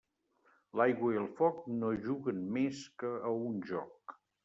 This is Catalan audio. L'aigua i el foc no juguen més que a un joc.